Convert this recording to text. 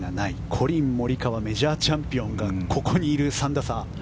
コリン・モリカワメジャーチャンピオンがここにいる、３打差。